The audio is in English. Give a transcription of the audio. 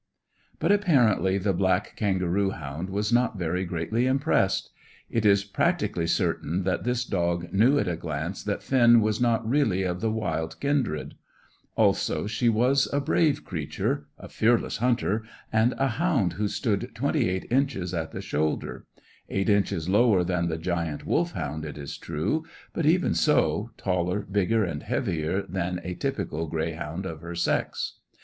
But apparently the black kangaroo hound was not very greatly impressed. It is practically certain that this dog knew at a glance that Finn was not really of the wild kindred; also, she was a brave creature, a fearless hunter, and a hound who stood twenty eight inches at the shoulder; eight inches lower than the giant Wolfhound it is true, but, even so, taller, bigger, and heavier than a typical greyhound of her sex.